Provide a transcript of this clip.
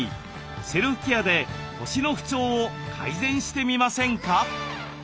セルフケアで腰の不調を改善してみませんか？